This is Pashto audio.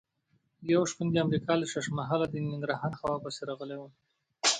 یو شپون د امریکا له ښیښ محله د ننګرهار هوا پسې راغلی و.